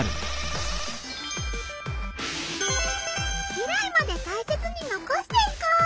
未来までたいせつに残していこう！